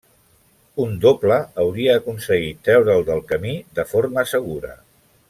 Un doble hauria aconseguit treure'l del camí de forma segura.